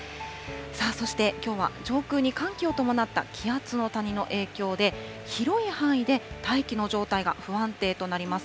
そして、きょうは上空に寒気を伴った気圧の谷の影響で、広い範囲で大気の状態が不安定となります。